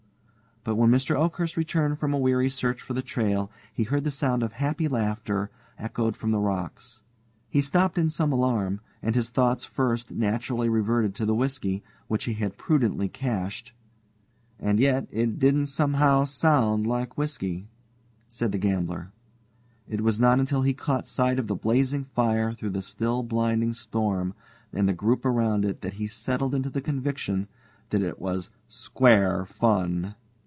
But when Mr. Oakhurst returned from a weary search for the trail, he heard the sound of happy laughter echoed from the rocks. He stopped in some alarm, and his thoughts first naturally reverted to the whisky, which he had prudently cached. "And yet it don't somehow sound like whisky," said the gambler. It was not until he caught sight of the blazing fire through the still blinding storm and the group around it that he settled to the conviction that it was "square fun."